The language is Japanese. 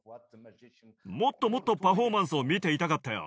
もっともっとパフォーマンスを見ていたかったよ。